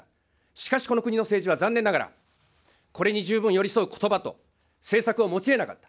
しかし、この国の政治は残念ながら、これに十分寄り添うことばと政策を持ちえなかった。